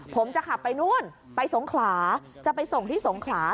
ผมจะขับไปนู่นไปสงขลาจะไปส่งที่สงขลา